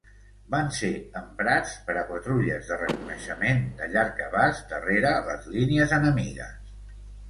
Van ser emprats per a patrulles de reconeixement de llarg abast darrere les línies enemigues.